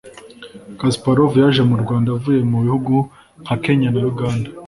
Kasparov yaje mu Rwanda avuye mu bihugu nka Kenya na Uganda